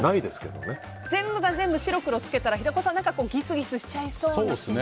全部が全部白黒つけたら平子さんギスギスしちゃいそうですよね。